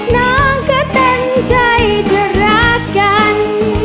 น้องก็ตั้งใจจะรักกัน